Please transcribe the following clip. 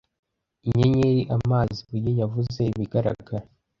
Inyenyeri, amazi, ibuye, yavuze ibigaragara